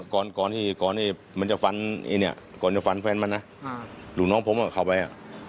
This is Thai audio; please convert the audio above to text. ก่อนที่มันจะฟันแฟนมันนะหลุงน้องพร้อมกับเขาไป